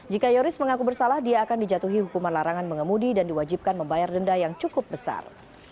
jika yoris mengaku bersalah dia akan dijatuhi hukuman larangan mengemudi dan diwajibkan membayar denda yang cukup besar